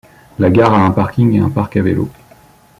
La gare a un parking et un parc à vélo.